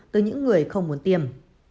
từ những người không muốn tiêm